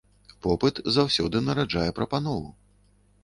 Попыт заўсёды нараджае прапанову.